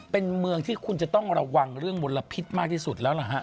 เป็นเมืองที่คุณจะต้องระวังเรื่องมลพิษมากที่สุดแล้วล่ะฮะ